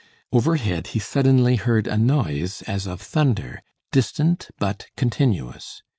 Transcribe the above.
Overhead he suddenly heard a noise as of thunder, distant but continuous.